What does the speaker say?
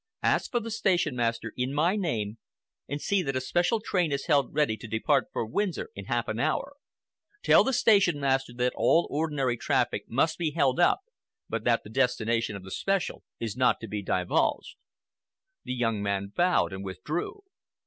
Ask for the station master in my name, and see that a special train is held ready to depart for Windsor in half an hour. Tell the station master that all ordinary traffic must be held up, but that the destination of the special is not to be divulged." The young man bowed and withdrew.